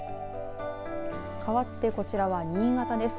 かわってこちらは新潟です。